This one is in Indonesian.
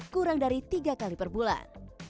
kurang dari tiga kali per bulan